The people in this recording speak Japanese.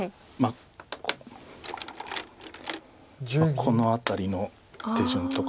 この辺りの手順とか。